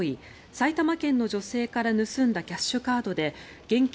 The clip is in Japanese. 埼玉県の女性から盗んだキャッシュカードで現金